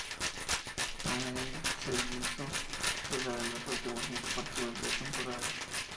O'Neil se hizo titular en los últimos cinco partidos de la temporada.